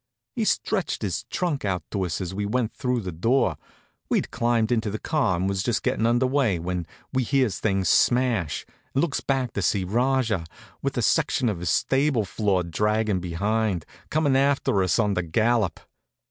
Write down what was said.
He stretched his trunk out after us as we went through the door. We'd climbed into the car and was just gettin' under way when we hears things smash, and looks back to see Rajah, with a section of the stable floor draggin' behind, coming after us on the gallop.